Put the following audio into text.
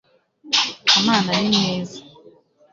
kamana ni mwiza